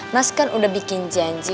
mas kan udah bikin janji